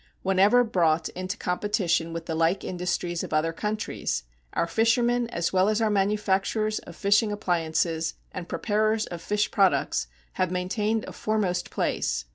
Whenever brought into competition with the like industries of other countries, our fishermen, as well as our manufacturers of fishing appliances and preparers of fish products, have maintained a foremost place.